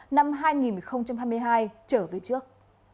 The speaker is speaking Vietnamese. năm hai nghìn hai mươi hai trở về trước